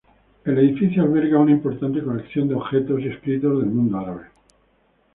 El edificio alberga una importante colección de objetos y escritos del mundo árabe.